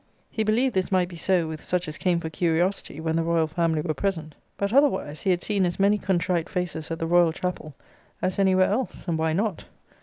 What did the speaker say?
He believed this might be so with such as came for curiosity, when the royal family were present. But otherwise, he had seen as many contrite faces at the Royal Chapel, as any where else: and why not?